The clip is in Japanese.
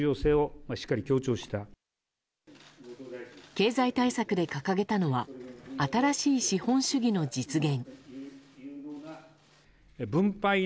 経済対策で掲げたのは新しい資本主義の実現。